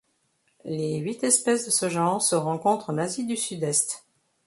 Les huit espèces de ce genre se rencontrent en Asie du Sud-Est.